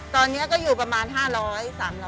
ตอนนี้ก็อยู่ประมาณ๕๐๐๓๐๐